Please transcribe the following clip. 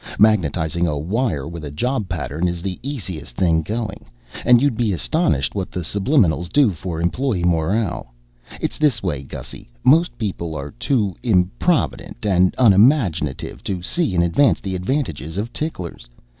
Magnetizing a wire with a job pattern is the easiest thing going. And you'd be astonished what the subliminals do for employee morale. It's this way, Gussy: most people are too improvident and unimaginative to see in advance the advantages of ticklers.